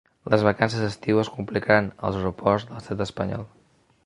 Les vacances d’estiu es complicaran als aeroports de l’estat espanyol.